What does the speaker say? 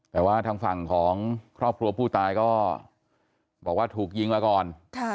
แต่ว่าทางฝั่งของครอบครัวผู้ตายก็บอกว่าถูกยิงมาก่อน